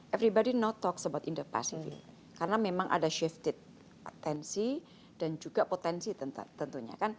everybody no talk about indo pacific karena memang ada shift di atensi dan juga potensi tentunya